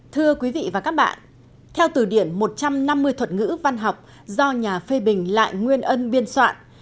thưa quý vị và các bạn theo từ điển một trăm năm mươi thuật ngữ văn học do nhà phê bình lại nguyên ân biên soạn